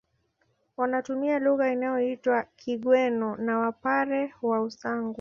Wanatumia lugha inayoitwa Kigweno na Wapare wa Usangu